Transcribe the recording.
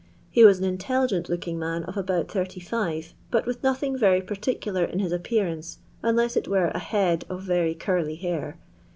^He was an intelligent looking man, of aboat 85, bat with nothing Tery particalar in hia appearance nnloM it were a head ef Tery early hiur.